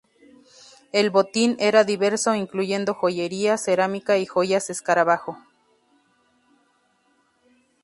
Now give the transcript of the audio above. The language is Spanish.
El botín era diverso incluyendo joyería, cerámica y joyas escarabajo.